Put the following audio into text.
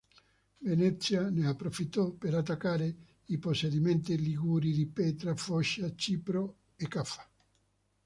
Venezia ne approfittò per attaccare i possedimenti liguri di Petra, Focea, Cipro e Caffa.